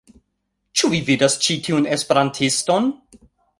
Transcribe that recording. Ĉu vi vidas ĉi tiun esperantiston?